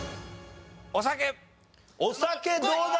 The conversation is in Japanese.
お酒どうだ？